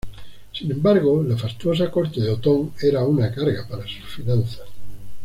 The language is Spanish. Sin embargo, la fastuosa corte de Otón era una carga para sus finanzas.